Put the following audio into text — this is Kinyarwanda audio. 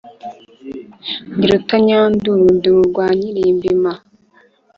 Ndi rutanyanduru, ndi urwa Nyilimbirima,